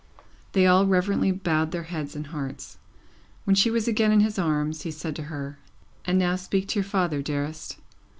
They all reverently bowed their heads and hearts. When she was again in his arms, he said to her: "And now speak to your father, dearest.